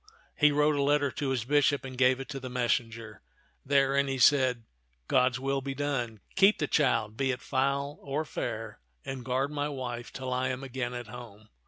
He wrote a letter to his bishop and gave it to the messenger. Therein he said, " God's will be done. Keep the child, be it foul or fair, and guard my wife till I am again at home.